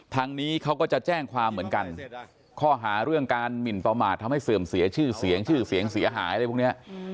ทางนี้เขาก็จะแจ้งความเหมือนกันข้อหาเรื่องการหมินประมาททำให้เสื่อมเสียชื่อเสียงชื่อเสียงเสียหายอะไรพวกนี้